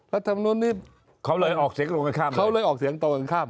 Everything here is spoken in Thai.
รัฐธรรมนุษย์นี้เขาเลยออกเสียงต่อกันข้าม